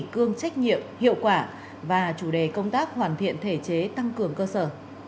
chủ động nêu gương trách nhiệm hiệu quả và chủ đề công tác hoàn thiện thể chế tăng cường cơ sở